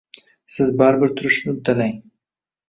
Siz baribir turishni uddalang.